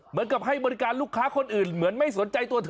เหมือนกับให้บริการลูกค้าคนอื่นเหมือนไม่สนใจตัวเธอ